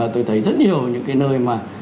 tôi thấy rất nhiều những cái nơi mà